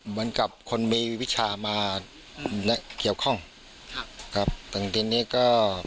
เหมือนกับคนมีวิชามาและเกี่ยวข้องครับครับแต่ทีนี้ก็